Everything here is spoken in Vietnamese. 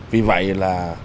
vì vậy là